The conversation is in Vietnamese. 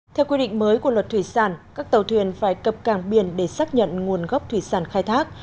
theo quy định mới của luật thủy sản các tàu thuyền phải cập cảng biển để xác nhận nguồn gốc thủy sản khai thác